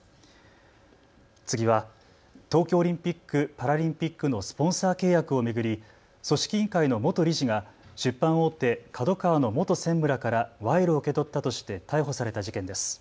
次は東京オリンピック・パラリンピックのスポンサー契約を巡り組織委員会の元理事が出版大手、ＫＡＤＯＫＡＷＡの元専務らから賄賂を受け取ったとして逮捕された事件です。